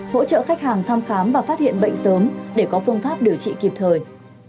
hỗ trợ khách hàng thăm khám và phát hiện bệnh sớm để có phương pháp điều trị kịp thời